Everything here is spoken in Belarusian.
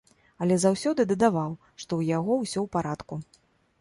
Але заўсёды дадаваў, што ў яго ўсё ў парадку.